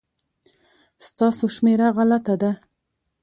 ستاسو شمېره غلطه ده